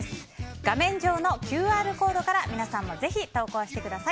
画面上のＱＲコードから皆さんもぜひ投稿してください。